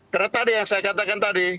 karena tadi yang saya katakan tadi